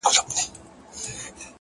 خپل مسیر د حقیقت په رڼا برابر کړئ.!